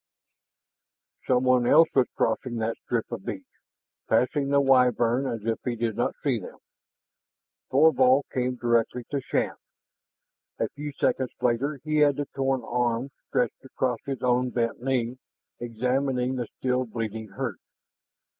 Someone else was crossing that strip of beach. Passing the Wyvern as if he did not see them, Thorvald came directly to Shann. A few seconds later he had the torn arm stretched across his own bent knee, examining the still bleeding hurt.